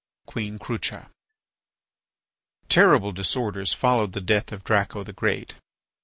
QUEEN CRUCHA Terrible disorders followed the death of Draco the Great.